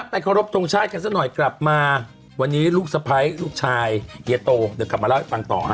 ขอรบทรงชาติกันสักหน่อยกลับมาวันนี้ลูกสะพ้ายลูกชายเฮียโตเดี๋ยวกลับมาเล่าให้ฟังต่อฮะ